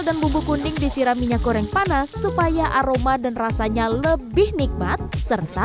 dan bumbu kuning disiram minyak goreng panas supaya aroma dan rasanya lebih nikmat serta